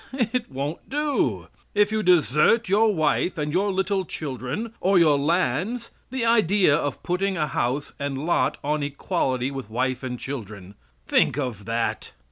It won't do. If you desert your wife and your little children, or your lands the idea of putting a house and lot on equality with wife and children. Think of that!